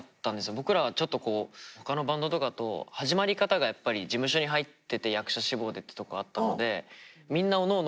僕らはちょっと他のバンドとかと始まり方がやっぱり事務所に入ってて役者志望でってとこあったのでみんなおのおの